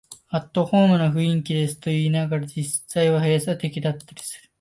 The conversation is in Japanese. アットホームな雰囲気ですと言いながら、実際は閉鎖的だったりする